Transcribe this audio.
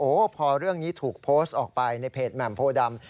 โอ้โหพอเรื่องนี้ถูกโพสต์ออกไปในเพจแหม่มโพดำ